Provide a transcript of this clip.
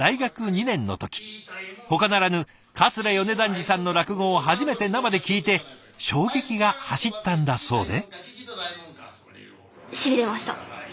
ほかならぬ桂米團治さんの落語を初めて生で聴いて衝撃が走ったんだそうで。